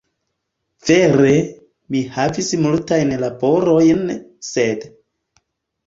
Vere, mi havis multajn laborojn, sed